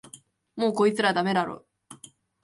もうこいつらダメだろ